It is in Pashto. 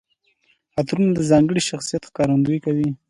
عطرونه د ځانګړي شخصیت ښکارندويي کوي.